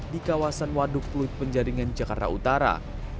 di kawasan waduk fluid penjaringan jakarta utara